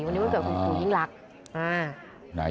วันนี้วันเกิดคุณครูยิ่งรัก